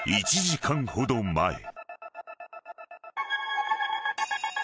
１時間ほど前］